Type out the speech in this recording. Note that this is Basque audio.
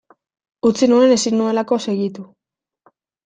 Utzi nuen ezin nuelako segitu.